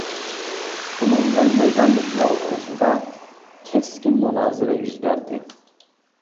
بۇنىڭ بىلەن مەيداندىكىلەر ئوتتۇرىسىدا كەسكىن مۇنازىرە يۈز بەردى.